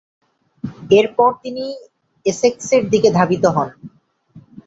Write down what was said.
এরপর তিনি এসেক্সের দিকে ধাবিত হন।